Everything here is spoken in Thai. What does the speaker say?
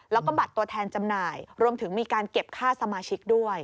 แล้วก็บัตรตัวแทนจำหน่ายรวมถึงมีการเก็บค่าสมาชิกด้วย